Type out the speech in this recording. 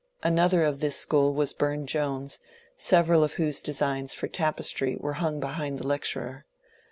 Another of this school was Bume Jones, several of whose designs for tapestry were hung behind the lecturer.